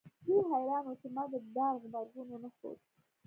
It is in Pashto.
دوی حیران وو چې ما د ډار غبرګون ونه ښود